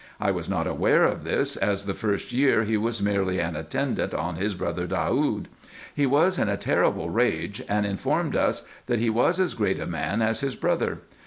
I was not aware of this, as the first year he was merely an attendant on his brother Daoud. He was in a terrible rage, and informed us, that he was as great a man as his brother.